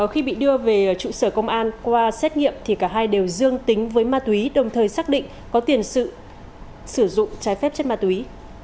khi bị đưa về trụ sở công an qua xét nghiệm thì cả hai đều dương tính với ma túy đồng thời xác định có tiền sử dụng trái phép chất ma túy